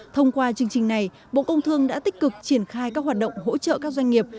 thông qua chương trình này bộ công thương đã tích cực triển khai các hoạt động hỗ trợ các doanh nghiệp